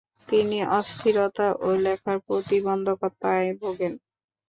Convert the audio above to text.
তিনি অস্থিরতা ও লেখার প্রতিবন্ধকতায় ভোগেন ।